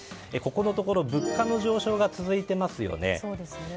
ここのところ物価の上昇が続いてますよね。